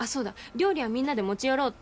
料理はみんなで持ち寄ろうって。